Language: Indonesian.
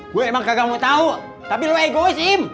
gue emang kagak mau tau tapi lu egois im